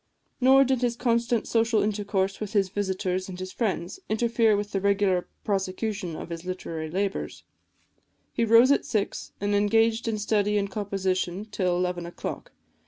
Nor did his constant social intercourse with his visitors and friends interfere with the regular prosecution of his literary labours: he rose at six, and engaged in study and composition till eleven o'clock.